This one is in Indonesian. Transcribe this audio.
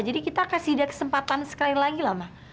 jadi kita kasih dia kesempatan sekali lagi lah ma